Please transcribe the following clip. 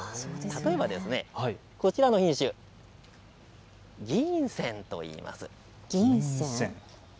例えばこちらの品種、銀泉といいます。